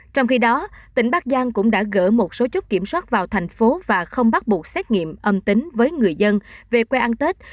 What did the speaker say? trong khi đó tỉnh bắc giang cũng đã gỡ một số chút kiểm soát vào thành phố và không bắt buộc xét nghiệm âm tính với người dân về quê ăn tết